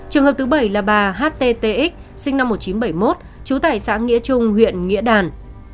trường hợp thứ bảy là bà httx sinh năm một nghìn chín trăm bảy mươi một chú tại xã nghĩa trung huyện nghĩa đàn